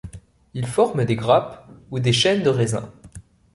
Il forme des grappes ou des chaînes de raisin.